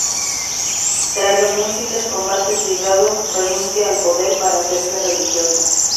Tras los múltiples combates librados, renuncia al poder para hacerse religioso.